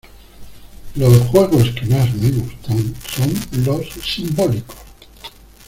Los juegos que más me gustan son los simbólicos.